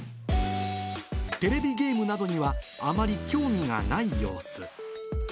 テレビゲームなどにはあまり興味がない様子。